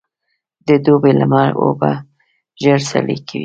د دوبي لمر اوبه ژر سرې کوي.